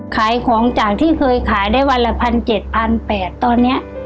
ขายของจากที่เคยขายได้วันละ๑๗๘๐๐บาทตอนนี้